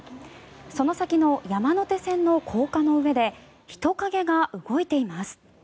その先の山手線の高架の上で人影が動いています。